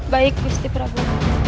baik gusti prabu